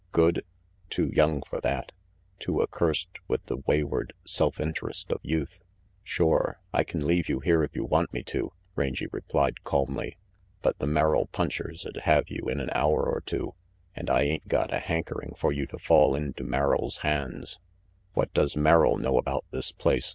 Good? Too young for that. Too accursed with the wayward self interest of youth. "Shore, I can leave you here if you want me to," Rangy replied calmly, "but the Merrill punchers'd have you in an hour or two, and I ain't got a hanker ing for you to fall into Merrill's hands "What does Merrill know about this place?"